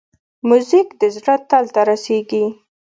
موزیک د زړه تل ته رسېږي.